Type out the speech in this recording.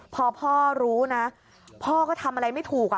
พอพ่อรู้นะพ่อก็ทำอะไรไม่ถูก